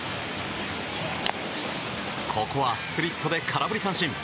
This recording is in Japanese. ここはスプリットで空振り三振。